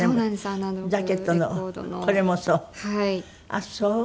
あっそう。